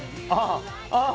ああ